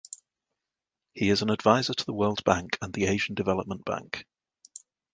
He is an advisor to the World Bank and the Asian Development Bank.